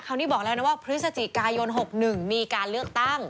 นี้บอกแล้วนะว่าพฤศจิกายน๖๑มีการเลือกตั้ง